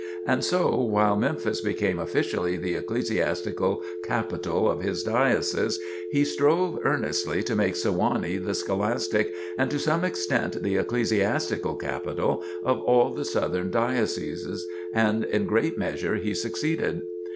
And so while Memphis became officially the ecclesiastical capital of his Diocese, he strove earnestly to make Sewanee the scholastic, and, to some extent, the ecclesiastical capital of all the Southern Dioceses, and in great measure he succeeded.